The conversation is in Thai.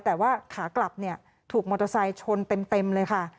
แต่ว่าขากลับเนี่ยถูกมอเตอร์ไซค์ชนเต็มเลยค่ะ